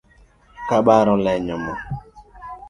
Kabar olenyo moo